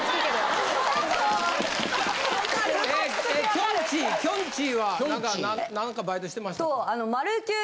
きょんちぃきょんちぃは何か何かバイトしてました？